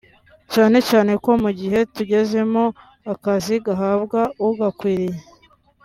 cyane cyane ko mu gihe tugezemo akazi gahabwa ugakwiriye